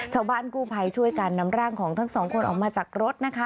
ชาวบ้านกู้ภัยช่วยกันนำร่างของทั้งสองคนออกมาจากรถนะคะ